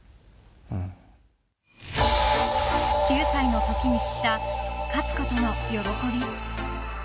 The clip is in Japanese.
［９歳のときに知った勝つことの喜び］